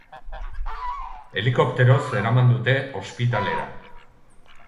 Helikopteroz eraman dute ospitalera.